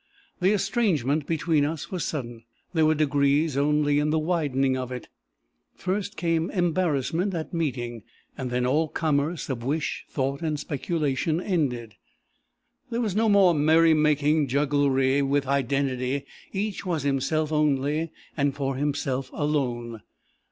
"The estrangement between us was sudden; there were degrees only in the widening of it. First came embarrassment at meeting. Then all commerce of wish, thought, and speculation, ended. There was no more merrymaking jugglery with identity; each was himself only, and for himself alone.